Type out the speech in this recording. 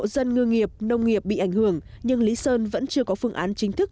dân ngư nghiệp nông nghiệp bị ảnh hưởng nhưng lý sơn vẫn chưa có phương án chính thức